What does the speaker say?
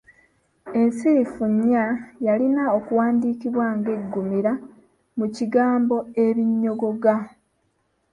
Ensirifu ‘ny’ yalina okuwandiikibwa nga eggumira mu kigambo ‘ebinyogoga’